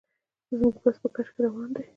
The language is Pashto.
زموږ بس په کش کې روان دی.